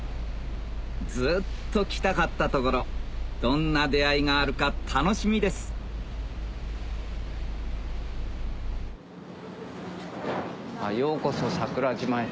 ずっと来たかった所どんな出会いがあるか楽しみです「ようこそ桜島へ」